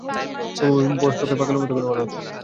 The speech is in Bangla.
তোর বস তোকে পাগলের মতো ফোন করছে।